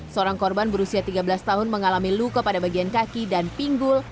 seorang korban berusia tiga belas tahun mengalami luka pada bagian kaki dan pinggul